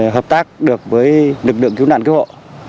hợp tác được với lực lượng cứu nạn cứu hộ